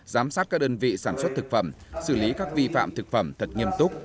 giám sát các đơn vị sản xuất thực phẩm xử lý các vi phạm thực phẩm thật nghiêm túc